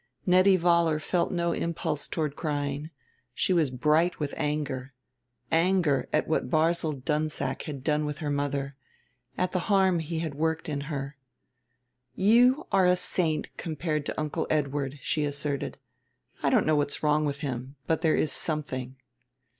Nettie Vollar felt no impulse toward crying; she was bright with anger anger at what Barzil Dunsack had done with her mother, at the harm he had worked in her. "You are a saint compared to Uncle Edward," she asserted. "I don't know what's wrong with him, but there is something."